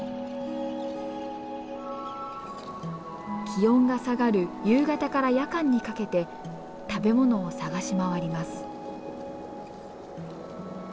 気温が下がる夕方から夜間にかけて食べ物を探し回ります。